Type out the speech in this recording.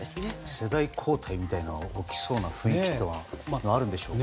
世代交代が起きそうな雰囲気はあるんでしょうか。